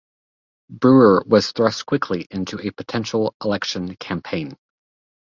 Brewer was thrust quickly into a potential election campaign.